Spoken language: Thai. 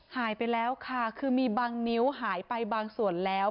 หายไปแล้วค่ะคือมีบางนิ้วหายไปบางส่วนแล้ว